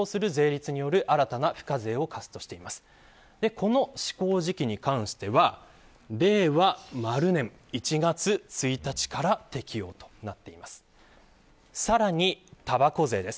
この施行時期に関しては令和〇年１月１日から適用となっています。